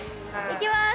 いきます